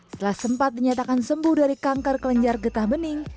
setelah sempat dinyatakan sembuh dari kanker kelenjar getah bening